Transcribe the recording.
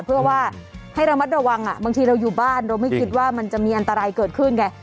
เพื่อว่าให้ระมัดระวังบางทีเราอยู่บ้านเราไม่คิดว่ามันจะมีอันตรายเกิดขึ้นไง